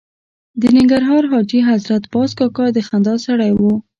د ننګرهار حاجي حضرت باز کاکا د خندا سړی و.